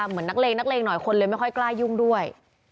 เหมือนนักเลงนักเลงหน่อยคนเลยไม่ค่อยกล้ายุ่งด้วย